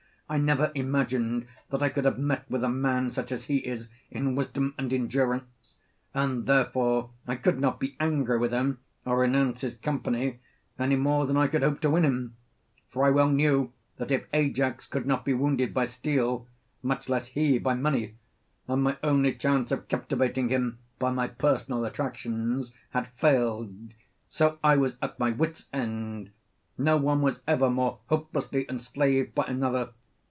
I never imagined that I could have met with a man such as he is in wisdom and endurance. And therefore I could not be angry with him or renounce his company, any more than I could hope to win him. For I well knew that if Ajax could not be wounded by steel, much less he by money; and my only chance of captivating him by my personal attractions had failed. So I was at my wit's end; no one was ever more hopelessly enslaved by another.